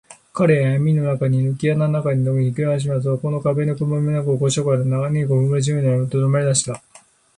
彼はやみの中を、ぬけ穴の中ほどまで引きかえしますと、そこの壁のくぼみになった個所から、何かふろしき包みのようなものを、とりだしました。